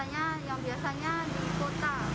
yang biasanya di kota